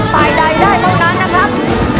ฝ่ายใดได้เท่านั้นนะครับ